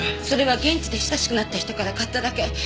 それは現地で親しくなった人から買っただけ。